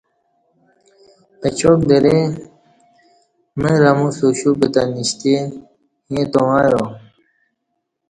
اچاک درئ مر اموستہ اُوشُپ تہ نشتی ییں تاوں ایا